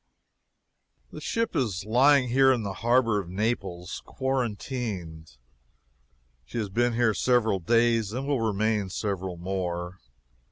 The ship is lying here in the harbor of Naples quarantined. She has been here several days and will remain several more.